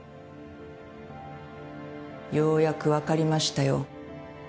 ようやくわかりましたよ。